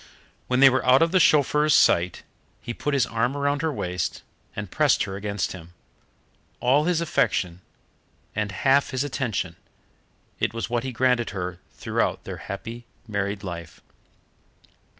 When they were out of the chauffeur's sight he put his arm around her waist and pressed her against him. All his affection and half his attention it was what he granted her throughout their happy married life.